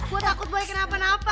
gue takut boleh kenapa napa